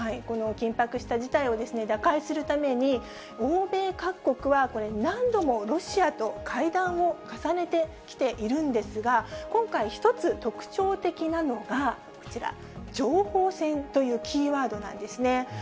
この緊迫した事態を打開するために、欧米各国は何度もロシアと会談を重ねてきているんですが、今回、１つ特徴的なのが、こちら、情報戦というキーワードなんですね。